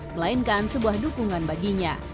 melainkan sebuah dukungan baginya